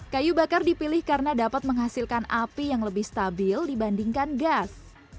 kayu bakar dipilih karena dapat menghasilkan api yang lebih stabil dibandingkan gas